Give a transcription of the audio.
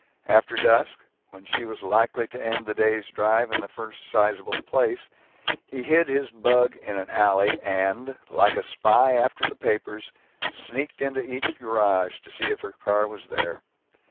After dusk, when she was likely to end the day's drive in the first sizable place, he hid his bug in an alley and, like a spy after the papers, sneaked into each garage to see if her car was there.